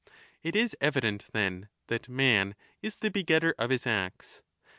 It is evident, then, that man is the begetter of his acts.